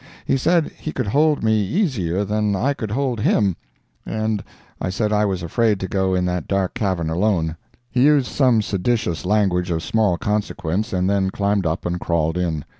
He said he could hold me easier than I could hold him, and I said he was afraid to go in that dark cavern alone. He used some seditious language of small consequence and then climbed up and crawled in.